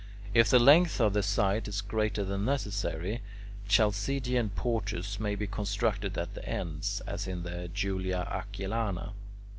If the length of the site is greater than necessary, Chalcidian porches may be constructed at the ends, as in the Julia Aquiliana.